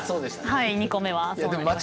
はい２個目は。